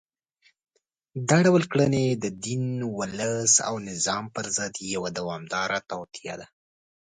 دا ډول کړنې د دین، ولس او نظام پر ضد یوه دوامداره توطیه ده